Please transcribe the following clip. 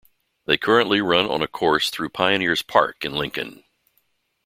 They currently run on a course through Pioneer's Park in Lincoln.